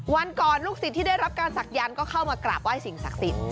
วันก่อนลูกศิษย์ที่ได้รับการศักยันต์ก็เข้ามากราบไห้สิ่งศักดิ์สิทธิ